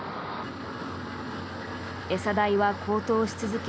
餌代は高騰し続け